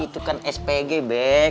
itu kan spg bek